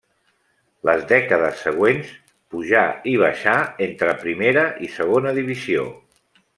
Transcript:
Les dècades següents pujà i baixà entre Primera i Segona divisió.